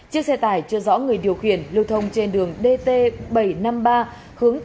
chiếc xe tải chưa rõ người điều khiển lưu thông trên đường dt bảy trăm năm mươi ba hướng từ mã đà đồng nai đi thành phố đồng xoài